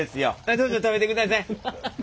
どうぞ食べてください。